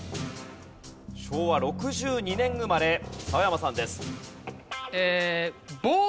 昭和６２年生まれ澤山さんです。